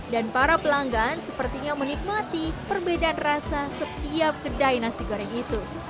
dan para pelanggan sepertinya menikmati perbedaan rasa setiap kedai nasi goreng itu